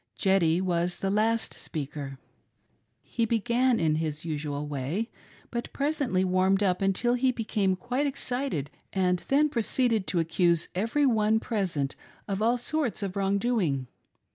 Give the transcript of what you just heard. Jeddy was the last speaker. He began in his usual way, but presently warmed up until he became quite excited and then proceeded to accuse every one present of all sorts of wrong doing.